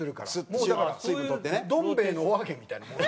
もうだからどん兵衛のお揚げみたいなもん。